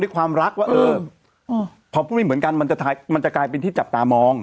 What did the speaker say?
ความรักว่าเมีเหมือนกันมันจะทัยมันจะกลายเป็นที่จับตามอง